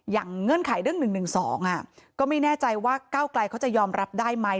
เงื่อนไขเรื่อง๑๑๒ก็ไม่แน่ใจว่าก้าวไกลเขาจะยอมรับได้ไหม